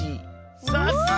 さすが！